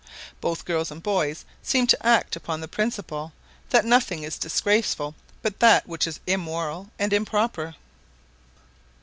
Both girls and boys seemed to act upon the principle, that nothing is disgraceful but that which is immoral and improper.